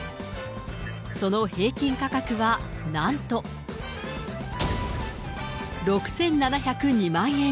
その平均価格はなんと、６７０２万円。